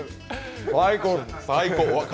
最高！